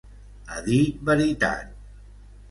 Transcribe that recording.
A dir veritat.